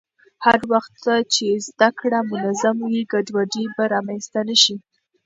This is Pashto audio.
هر وخت چې زده کړه منظم وي، ګډوډي به رامنځته نه شي.